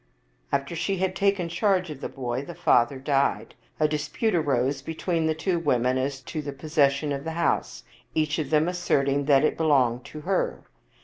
After she had taken charge of the boy the father died. A dispute arose between the two women as to the possession of the house, each of them asserting that it belonged to her.